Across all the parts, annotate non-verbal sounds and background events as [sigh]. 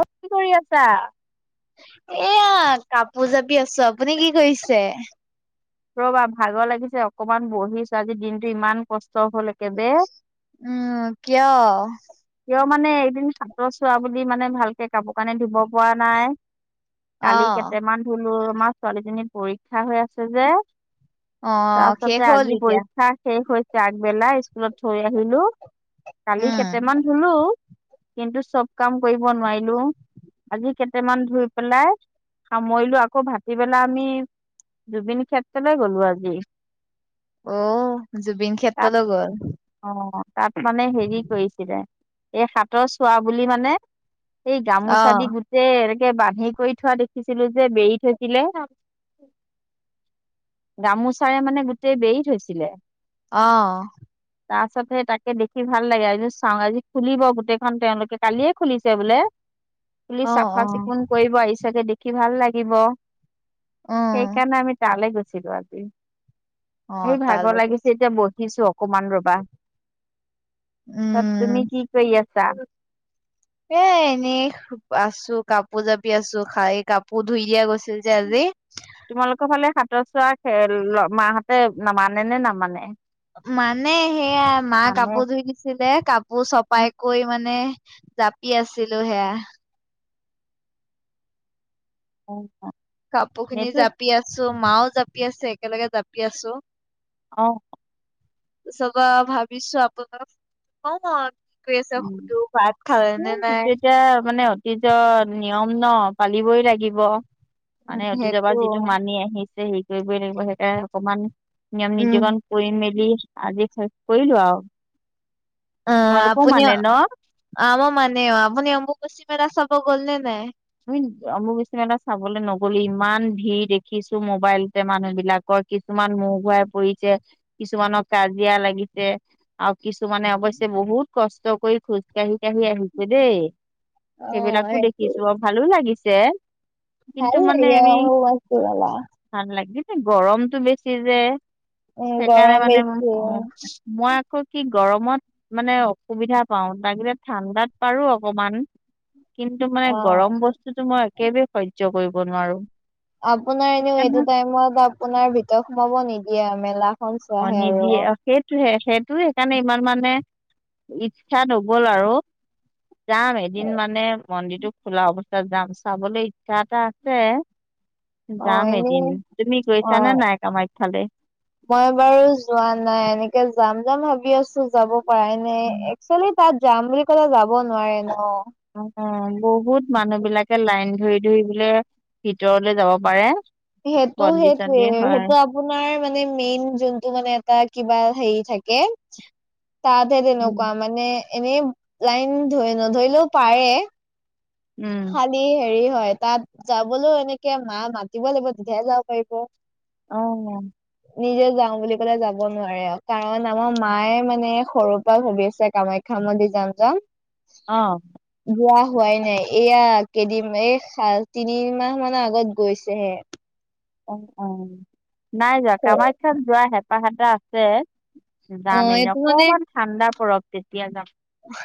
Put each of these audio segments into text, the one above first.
অ' কি কৰি আছা? এয়া কাপোৰ জাপি আছোঁ। আপুনি কি কৰিছে? ৰ'বা ভাগৰ লাগিছে অকমান বহিছোঁ। আজি দিনটো ইমান কষ্ট হল একেবাৰে। উম, কিয়? কিয় মানে এদিন হাতৰ চোৱা বুলি মানে ভালকে কাপোৰ কানি ধুব পৰা নাই। অ কালি কেইটামান ধুলোঁ, আমাৰ ছোৱালীজনীৰ পৰীক্ষা হৈ আছে যে। অ শেষ তাৰপাছতে হ'ল আজি এতিয়া পৰীক্ষা শেষ হৈ আগবেলা স্কুলত থৈ আহিলোঁ। কালি উম কেইটামান ধুলোঁ। কিন্তু চব কাম কৰিব নোৱাৰিলোঁ। আজি কেইটামান ধুই পেলাই সামৰিলোঁ আকৌ ভাটিবেলা আমি জুবিন ক্ষেত্ৰলে গ'লো আজি। অ' জুবিন ক্ষেত্ৰলৈ গ'ল। অ' তাত মানে হেৰি কৰিছিলে, এই সাতৰ চোৱা বুলি মানে সেই অ গামোচা দি গোটেই এনেকে বান্ধি কৰি থোৱা দেখিছিলোঁ যে বেৰি থৈছিলে গামোচাৰে মানে গোটেই বেৰি থৈছিলে। অ'। তাৰপাছত হে তাকে দেখি ভাল লাগে। চাওঁ, আজি খুলিব গোটেইখন তেওঁলোকে, কালিয়ে খুলিছে বোলে। তুলি অ চাফা অ চিকুণ কৰিব আহি চাগে দেখি ভাল লাগিব। উম সেইকাৰণে আমি টালে গৈছিলোঁ আজি। অ সেই তালৈ ভাগৰ গল লাগিছে এতিয়া বহিছোঁ অকমান ৰ'বা। উম। তাত তুমি কি কৰি আছা? এ, এনেই আছোঁ, কাপোৰ জাপি আছোঁ, খা এই কাপোৰ ধুই দিয়া গৈছিল যে আজি। তোমালোকৰ ফালে সাতৰ চোৱা খেল ৰ মাহঁতে নামানে নে নামানে? মানে, সেয়া মা ভালে কাপোৰ ধুই দিছিলে, কাপোৰ উম চপাই কৰি মানে জাপি আছিলোঁ সেয়া। [unintelligible] কাপোৰখিনি সেইটো জাপি আছোঁ, মাওঁ জাপি আছে, একেলগে জাপি আছোঁ। অ'। [unintelligible] কৰি আছে সুধো ভাত খালে নে নাই। তিয়া মানে অতীজৰ নিয়ম ন' পালিবই লাগিব। উম মানে অতীজৰ পৰা সেইটো যিটো মানি আহিছে হেৰি কৰিবই লাগিব সেইকাৰণে অকমান নিয়ম নীতি উম কন কৰি মেলি আজি শেষ কৰিলোঁ আৰু। অ' তোমালোকেও আপুনি মানে ন আমা মানে আপুনি অম্বুবাচি মেলা চাব গ'ল নে নাই? আমি অম্বুবাচী মেলা চাবলৈ নগ'লো। ইমান ভিৰ দেখিছোঁ মোবাইলতে মানুহবিলাকৰ। কিছুমান মুৰ ঘুৱাই পৰিছে, কিছুমানৰ কাজিয়া লাগিছে আৰু কিছুমানে অৱশ্যে বহুত কষ্ট কৰি খোজ কাঢ়ি কাঢ়ি আহিছে দেই। অ সেইবিলাকো দেখিছোঁ আৰু ভালো লাগিছে। কিন্তু ভাল মানে লাগে আমি অ' অম্বুবাচী মেলা। ভাল লাগিছে গৰমতটো বেছি যে উম সেইকাৰণে গৰম মানে বেছি অ'। মই আকৌ কি গৰমত মানে অসুবিধা পাও তাগিলে ঠাণ্ডাত পাৰো অকমান কিন্তু মানে অ গৰম বস্তুতো মই একেবে সহ্য কৰিব নোৱাৰো। আপোনাৰ এনেও সেইকাৰণে এইটো টাইমত আপোনাৰ ভিতৰত সোমাব নিদিয়ে মেলা অ', নিদিয়ে অ। সেইটোহে সেইটো সেইকাৰণে ইমান মানে ইচ্ছা নগল আৰু। যাম এদিন মানে মন্দিৰটো খোলা অৱস্থাত যাম চাবলৈ ইচ্ছা এটা আছে। অ যাম এনেই এদিন তুমি অ গৈছানে নাই কামাখ্যালে। মই বাৰু যোৱা নাই এনেকে যাম যাম ভাবি আছো যাব পৰাই নাই একচুৱেলি তাত যাম বুলি ক'লে যাব নোৱাৰে ন'। অ', বহুত মানুহ বিলাকে লাইন ধৰি ধৰি বোলে ভিতৰলে যাব পাৰে। সেইটো বন্দী চন্দী সেইটোৱে হয়, সেইটো আ পোনাৰ মানে মেইন যোনটো মানে এটা কিবা হেৰি থাকে। তাতহে উম, তেনেকুৱা মানে এনেই লাইন ধৰি নধৰিলেও পাৰে। উম। খালি হেৰি হয় তাত যাবলৈও এনেকে মা মাতিব লাগিব তেতিয়াহে যাব পাৰিব। অ'। নিজে যাও বুলি কলে যাব নোৱাৰে আও কাৰণ আমাৰ মায়ে মানে সৰুৰ পৰা ভাবি আছে কামা খ্যা মন্দিত যাম যাম। অ। যোৱা হোৱাই নাই এয়া কেইদিম এ তিনি মাহ মানৰ আগত গৈছেহে। অ অ নাই যোৱা কামাখ্যাত যোৱা হেঁপাহ এটা আছে। অ যাম [inaudible] এইটো মানে অকমান ঠাণ্ডা পৰক তেতিয়া যাম।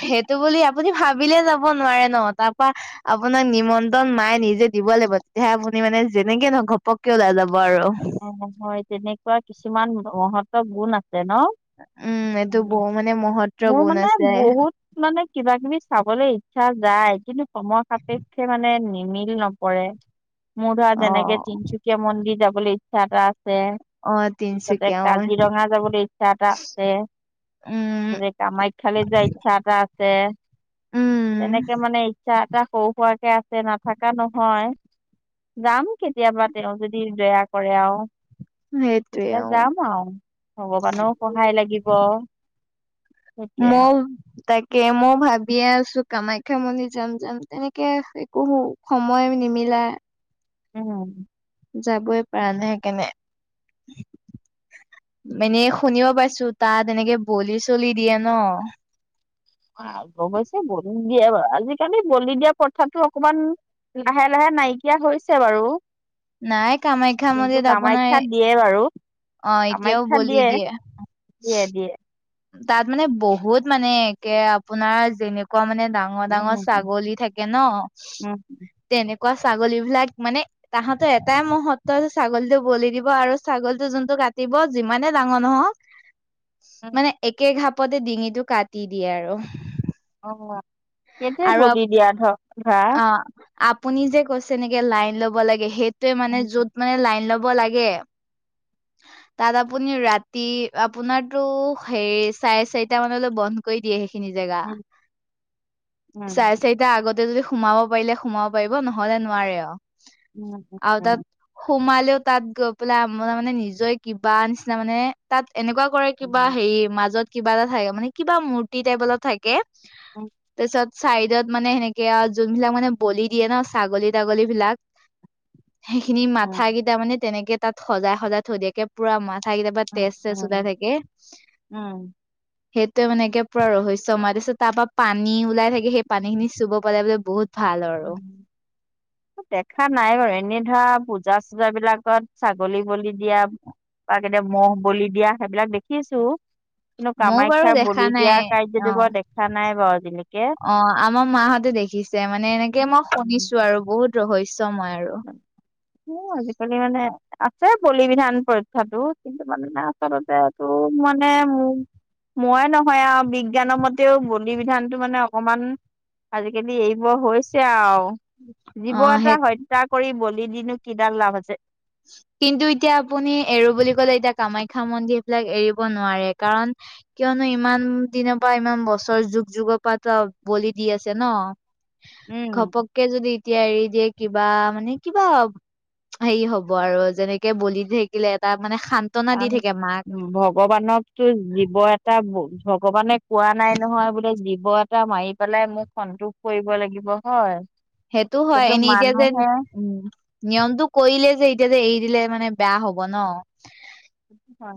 সেইটো বুলি আপুনি ভাবিলে যাব নোৱাৰে ন তাপা। আপোনাক নিমন্ত্ৰণ মাই নিজে দিব লাগিব তেতিয়াহে আপুনি মানে যেনেকে নহক ঘপককে ওলাই যাব আৰু। অ হয় তেনেকুৱা কিছুমান মহত গুণ আছে ন। এইটো ব উম মানে মহত্ব মোৰ গুণ মানে আছে বহু মানে কিবা কিবি চাবলে ইচ্ছা যায় কিন্তু সময় সাপেক্ষে মানে নিমিল নপৰে। মোৰ ধৰা অ যেনেকে তিনচুকীয়া মন্দিৰ যাবলে ইচ্ছা এটা আছে। অ তাতে তিনচুকীয়া অ কাজিৰঙা যাবলে ইচ্ছা এটা আছে। উম মানে কামাখ্যালে যোৱা ইচ্ছা এটা আ ছে উম তেনেকে মানে ইচ্ছা এটা সৰু হোৱাকে আ ছে নাথাকা নহয় যাম কেতিয়াবা তেওঁ যদি দয়া কৰে আও। সেইটোৱে যে অ যাম আও ভগৱানৰো সহায় লাগিব। সেইটোৱে মও আৰু তাকে মই ভাবিয়ে আছো কামাখ্যা মন্দিৰ যাম যাম এনেকে একোহো। সময় নিমিলা। উম। যাবই পাৰা নাই সেইকাণে। মেনে শুনিব পাইছো তাত এনেকে বলি চলি দিয়ে ন। অ ৱগৈছে বলি দিয়া বাও আজিকালি বলি দিয়া প্ৰথাটো অকমান। লাহে লাহে নাইকিয়া হৈছে বাৰু। নাই কামাখ্যা কিন্তু মন্দিৰত আপোনাৰ কামাখ্যাত দিয়ে বাৰু অ এতিয়াও কামাখ্যাত বলি দিয়ে। দিয়ে দিয়ে। তাত মানে বহুত মানে একে আপোনাৰ যেনেকুৱা মানে ডা ডাঙ ডাঙ উম উম ছাগলী থাকে ন। উম তেনেকুৱা ছাগলী বিলাক মানে তাহাঁত এটাই মহত্ব ছাগলীটো বলি দিব আৰু ছাগলীটো যোনটো কাটিব, যিমানে ডাঙৰ নহওক উম মানে একে ঘাপতে ডিঙিটো কাটি দিয়ে আৰু। অ [unintelligible] এইটোৱে আৰু বলি দিয়া ধ ধৰা। অ, আপুনি যে কৈছে, এনেকে লাইন লব লাগে। সেইটোৱে মানে উম যত মানে লাইন ল ব লাগে। তাত আপুনি ৰাতি আপোনাৰটো সেই চাৰে চাৰিটা মানলৈ বন্ধ কৰি দিয়ে। খিনি জেগা। উম চাৰে চাৰিটা আগতে যদি সোমাব পাৰিলে সোমাব পাৰিব, নহলে নোৱাৰে অ। উম, [unintelligible] আৰু তাত সোমালেও তাত গৈ পেলাই [unintelligible] মানে নিজয়ে কিবা নিচিনা মানে তাত এনেকুৱা কৰে উম কিবা হেৰি মাজত কিবা এটা থাকে মানে কিবা মূৰ্তি টাইপ অলপ থাকে। উম উম তাপিছত চাইডত মানে সেনেকে আও যোনবিলাক মানে বলি দিয়ে ন, ছাগলী তাগলী বিলাক? সেইখিনি মাথা কেইটা মানে তেনেকে তাত সজাই সজাই থৈ দিয়াকে পুৰা মাথা কিতা পা তেজ উম চেজ ওলাই উম থাকে। উম সে [unintelligible] এনেকে পোৰা ৰহস্য মায়। তাপিছত তা পা পানী ওলাই থাকে। সেই পানী খিনি চুব পালে বোলে বহুত ভাল উম। [unintelligible] দেখা নাই অ। এনে ধৰা পূজা চুজা বিলাকত ছাগলী বলি দিয়া বা কেতিয়া মহ বলি দিয়া সেইবিলাক দেখি আছো। কিন্তু ময়ো বাৰু কামাখ্যা দেখা বলি দিয়া নাই অ কাৰ্যটো বাও দেখা নাই বাও আজিলেকে। অ, আমাৰ মাহতে দেখিছে, মানে এনেকে মই শুনিছো আৰু বহুত ৰহস্য মই আৰু। [inaudible] ও, আজিকালি মানে আছে বলি বিধান পৰীক্ষাটো কিন্তু মানে না আচলতে এটো মানে মো মই নহয় আৱ। বিজ্ঞানৰ মতেও বলি বিধানটো মানে অকমান আজিকালি এৰিব হৈছে আৱ। অ জীৱ এটা সেই হত্যা কৰি বলি দিনো কিডাল লাভ আছে। কিন্তু এতিয়া আপুনি এৰো বুলি ক'লে এতিয়া কামাখ্যা মন্দিৰ বিলাক এৰিব নোৱাৰে কাৰণ কিয়নো ইমান দিন পা ইমান বছৰ যুগ যুগ পা [unintelligible] বলি দি আছে ন। উম ঘপককে যদি এতিয়া এৰি দিয়ে কিবা মানে কিবা হেৰি হ ব আৰু যেনেকে বলি ধেকিলে এটা মানে শা আন ভক ভগৱানকতো জীৱ এটা ভগৱানে কোৱা নাই নহয় বোলে জীৱ এটা মাৰি পেলাই মোক সন্তোষ কৰিব লাগিব হয়। সেইটো হয়, কিন্তু এনেই এতিয়া যেন মানুহে [unintelligible] নিয়মটো কৰিলে যে এতিয়া যে এৰি দিলে মানে বেয়া হব ন।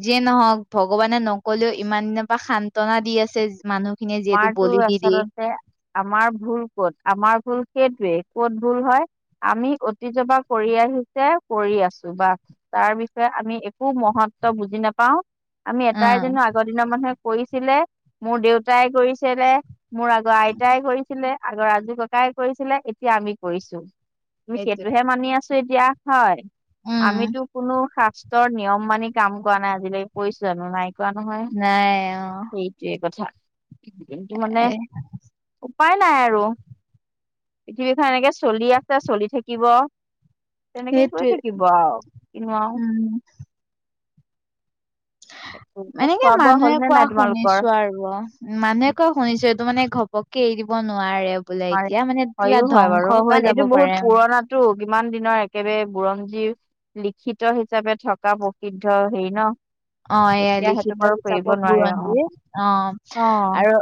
যিয়ে নহওক ভগৱানে নকলেও ইমান দিন পা সান্তনা দি আছে। মানুহ খিনিয়ে যিহেতু আমাৰতো বলি দি দিয়ে। আচলতে আমাৰ ভুল ক'ত? আমাৰ ভুল সেইটোৱে, ক'ত ভূল হয়? আমি অতীজ পা কৰি আহিছে কৰি আছো বাছ। তাৰ বিষয়ে আমি একো মহত্ব বুজি নাপাও। আমি এটাই যেনো উম আগৰ দিনৰ মানুহে কৰিছিলে, মোৰ দেউতাই কৰিছেলে। মোৰ আগৰ আইতাই কৰিছিলে, আগৰ আজু ককাই কৰিছিলে এতিয়া আমি কৰিছো। মই সেইটোৱে সেইটোহে মানি আছো এতিয়া হয়, উম আমিতো কোনো শাস্ত ৰ নিয়ম মানি কাম কৰা নাই আজিকালি কৰিছো জানো নাই কৰা নহয়। নাই অ সেই সেই কথা কিন্ত মানে এ উপায় নাই আৰু, পৃথিৱীখন এনেকে চলি আছে চলি থাকিব। তেনেকেই গৈ সেইটোৱে থাকিব আও কিনো আও। উম এতিয়া এনেকে খোৱা বোৱা মানুহে হ'ল নে কোৱা নাই তোমালোকৰ শুনিছো আৰু আও। উ মানুহে কোৱা শুনিছো এইটো মানে ঘপককে এৰি দিব নোৱাৰে। বোলে তোমাৰ এতিয়া মানে কিবা ধ্বংস হৈ যাব পাৰে। টো কিমান দিনৰ একেবাৰে বুৰঞ্জী লিখিত হিচাপে থকা প্ৰসিদ্ধ হেৰি ন। অ এয়া এতিয়া সেইটো লিখিত বাৰু কৰিব হিচাপৰ নোৱাৰে অ বুৰঞ্জীৰ, অঁ অ আৰু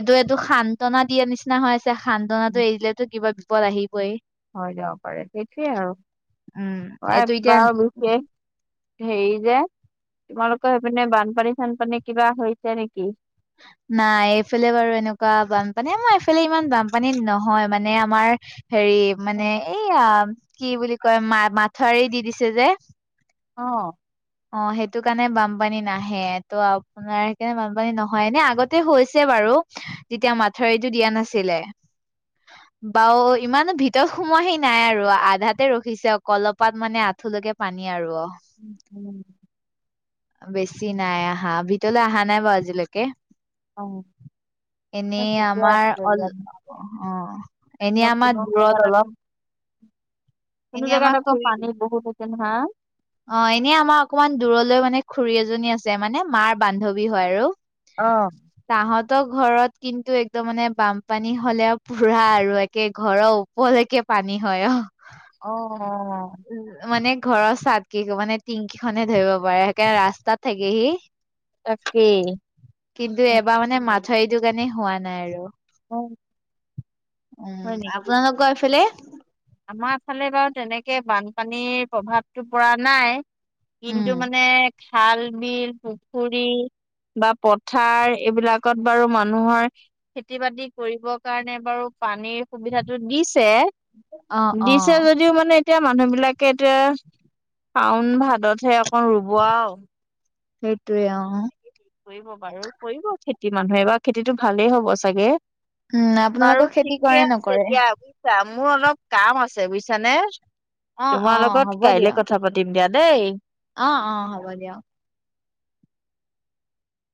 এইটো এইটো সান্তনা দিয়া নিচিনা হৈ আছে, সান্তনাটো এৰি দিলেতো কিবা বিপদ আহিবই। হৈ যাব পাৰে, ‌ সেইটোৱে উম আৰু অ এইটো এতিয়া বাৰু বিশেষ হেৰি যে তোমালোকৰ সেইপিনে বানপানী চানপানী কিবা হৈছে নেকি? নাই এইফালে বাৰু এনেকুৱা বানপানী আমাৰ এইফালে ইমান বানপানী নহয় মানে আমাৰ হেৰি মানে এইয়া কি বুলি কয় মা মাথউৰি দি দিছে যে। অঁ অঁ সেইটো কাৰণে বানপানী নাহে, তো আপোনাৰ সেইকাৰণে বানপানী নহ য় এনে আগতে হৈছে বাৰু, যেতিয়া মাথাউৰিটো দিয়া নাছিলে। বাও ইমানো ভিতৰত সোমোৱাহি নাই আৰু আধাতে ৰখিছে অকল অলপাত মানে আঁঠুুলৈকে পানী আৰু অ। উম উম। বেছি নাই আহা ভিতৰলৈ আহা নাই বাৰু আজিলৈকে। অঁ এনেই আমাৰ অল ইয়াত নহ'লে অঁ এনেই কোনো আমাৰ কোনো জেগাত দূৰত আকৌ অলপ [inaudible] কোনো এনে জোগাত আমাৰ আকৌ পানী বহুত হৈছে নহয়। অঁ এনেই আমাৰ অকমান দূৰলৈ মানে খুৰী এজনী আছে মানে মাৰ বান্ধৱী হয় আৰু। অঁ তাহতৰ ঘৰত কিন্তু একদম মানে বানপানী হ'লে ফুৰা আৰু একে ঘৰৰ ওপ ৰলেকে পানী হয় অঁ। অঁ অঁ উম মানে ঘৰৰ চাত কি মানে টিংকি খনে ধৰিব পাৰে সেইকাৰণে ৰাস্তাত থাকেহি। [inaudible] তাকে কিন্তু এইবাৰ মানে মাথাউৰিটো কাৰণে হোৱা নাই আৰু। হয় উম, নেকি? আপোনালোঁকৰ হেইফালে আমাৰ ফালে বাৰু তেনেকে বানপানীৰ প্ৰভাৱতটো পৰা নাই। উম, কিন্তু মানে খাল বিল পুখুৰী বা পথাৰ এইবিলাকত বাৰু মানুহৰ খেতি বাতি কৰিবৰ কাৰণে বাৰু পানীৰ সুবিধাটো দিছে। অ', দিছে অ', য ও মানে এতিয়া মানুহ বিলাকে এতিয়া শাওন ভাদতহে অকন ৰুব আৰু। সেইটোৱে অ, কৰিব বাৰু কৰিব খেতি মানুহে বা খেতিটো ভালেই হব চাগে, উম, বাৰু আপোনালোকৰ খেতি ঠিকে কৰে আছে নকৰে? দিয়া। বুজিছা মোৰ অলপ কাম আছে বুজিছানে, অ', তোমাৰ অ', লগত হ'ব কাইলে দিয়ক। কথা পাতো দিম দিয়া দেই, অ অ হ'ব দিয়াক।